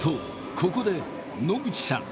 ここで野口さん